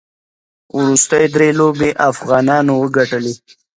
وروستۍ درې لوبې افغانانو وګټلې.